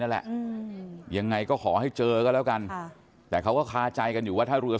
นั่นแหละยังไงก็ขอให้เจอก็แล้วกันค่ะแต่เขาก็คาใจกันอยู่ว่าถ้าเรือ